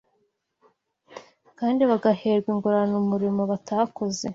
kandi bagaherwa ingororano umurimo batakoze